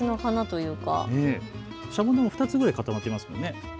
シャボン玉２つぐらい固まっていますね。